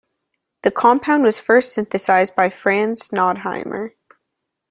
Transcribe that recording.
The compound was first synthesised by Franz Sondheimer.